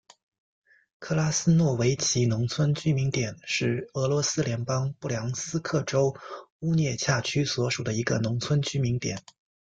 克拉斯诺维奇农村居民点是俄罗斯联邦布良斯克州乌涅恰区所属的一个农村居民点。